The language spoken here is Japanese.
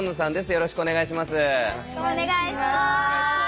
よろしくお願いします。